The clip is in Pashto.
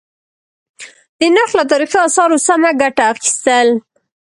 د نرخ له تاريخي آثارو سمه گټه اخيستل: